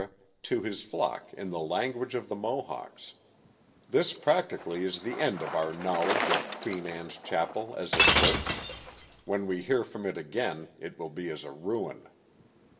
to his flock in the language of the Mohawks. Queen Anne's Chapel 87 This practically is the end of our knowledge of Queen Anne's Chapel as a church. When we hear from it again it will be as a ruin.